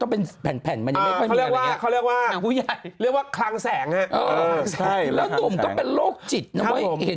มันเป็นแบบใกล้อยู่พบแล้วชอบจะลื้อ